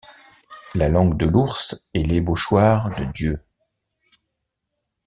La langue de l’ours est l’ébauchoir de Dieu.